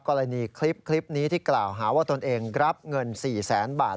กรณีคลิปนี้ที่กล่าวหาว่าตนเองรับเงิน๔แสนบาท